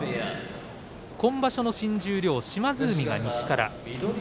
今場所の新十両、島津海が西から。